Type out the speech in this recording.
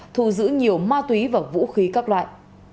thu giữ nhiều ma túy và vũ khí các loại